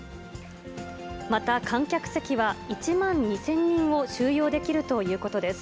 また観客席は、１万２０００人を収容できるということです。